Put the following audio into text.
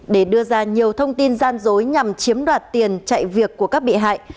để đưa ra nhiều thông tin gian dối nhằm chiếm đoạt tiền chạy việc của các bị hại